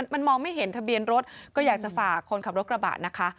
มันมองไม่เห็นทะเบียนรถก็อยากจะฝากคนขับรถกระบะนะคะ